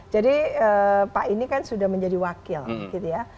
jadi pak ini kan sudah menjadi wakil gitu ya